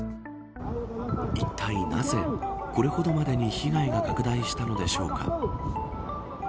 いったいなぜこれほどまでに被害が拡大したのでしょうか。